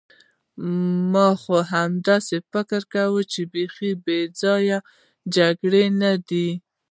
ما خو همداسې فکر کاوه، بیخي بې ځایه جګړه نه ده.